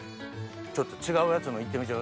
ちょっと違うやつもいってみてください。